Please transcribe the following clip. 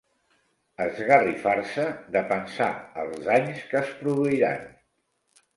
Esgarrifar-se de pensar els danys que es produiran.